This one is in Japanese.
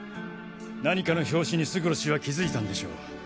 何かの拍子に勝呂氏は気付いたんでしょう。